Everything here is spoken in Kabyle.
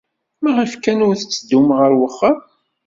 Maɣef kan ur tetteddum ɣer wexxam?